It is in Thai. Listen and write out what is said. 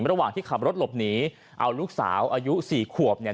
ระหว่างที่ขับรถหลบหนีเอาลูกสาวอายุสี่ขวบเนี่ย